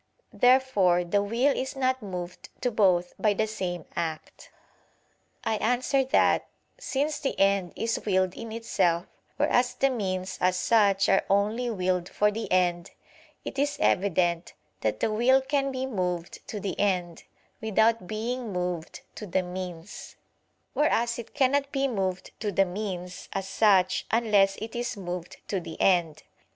Therefore the will is not moved to both by the same act. I answer that, Since the end is willed in itself, whereas the means, as such, are only willed for the end, it is evident that the will can be moved to the end, without being moved to the means; whereas it cannot be moved to the means, as such, unless it is moved to the end.